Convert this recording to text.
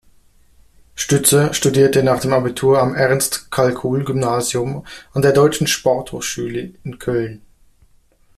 Stützer studierte nach dem Abitur am Ernst-Kalkuhl-Gymnasium an der Deutschen Sporthochschule in Köln.